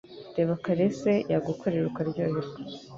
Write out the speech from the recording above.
Reba karese yagukorera ukaryoherwa